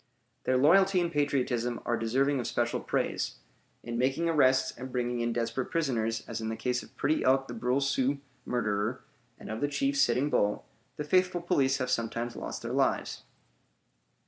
Their loyalty and patriotism are deserving of special praise. In making arrests and bringing in desperate prisoners, as in the case of Pretty Elk the Brule Sioux murderer, and of the chief, Sitting Bull, the faithful police have sometimes lost their lives.